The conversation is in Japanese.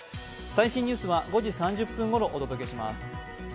最新ニュースは５時３０分ごろお届けします。